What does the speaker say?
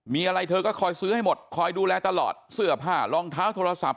มีอะไรเธอก็คอยซื้อให้หมดคอยดูแลตลอดเสื้อผ้ารองเท้าโทรศัพท์